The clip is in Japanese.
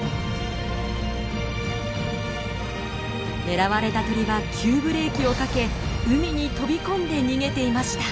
狙われた鳥は急ブレーキをかけ海に飛び込んで逃げていました。